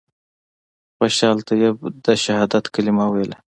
خوشحال طیب د شهادت کلمه ویله.